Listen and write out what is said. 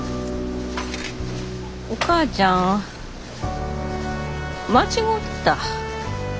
お母ちゃん間違うてた。